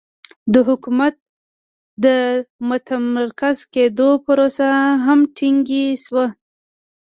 د حکومت د متمرکز کېدو پروسه هم ټکنۍ شوه